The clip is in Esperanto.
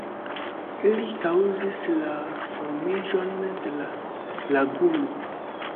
Ili kaŭzis la formiĝon de la laguno.